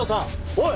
おい！